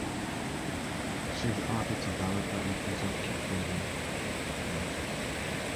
She is the artistic director and producer of Keep Frozen: Pochsy Productions.